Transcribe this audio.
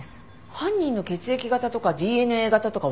犯人の血液型とかＤＮＡ型とかわかるよね？